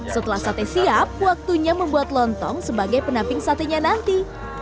setelah sate siap waktunya membuat lontong sebagai pendamping satenya nanti